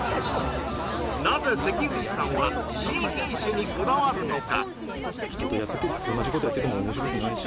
なぜ関口さんは新品種にこだわるのか？